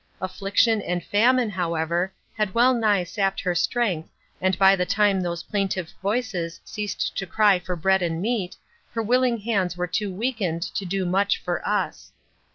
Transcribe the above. Affliction and famine, however, had well nigh sapped her strength and by the time those plaintive voices ceased to cry for bread and meat, her willing hands were too weakened to do much for us.